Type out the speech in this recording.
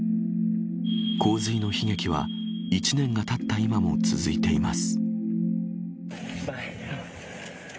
洪水の悲劇は１年がたった今も続いています。